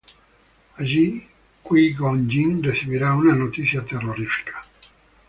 Allí, Qui-Gon Jinn recibirá una noticia terrorífica.